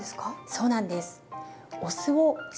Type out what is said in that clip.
そうなんです。